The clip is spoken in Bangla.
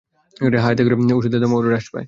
হ্যাঁ, এতে করে ওষুধের দামও হ্রাস পায়!